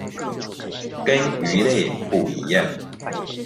跟魚類不一樣